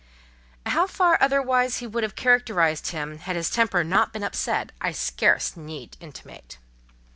How far otherwise he would have characterized him had his temper not been upset, I scarcely need intimate.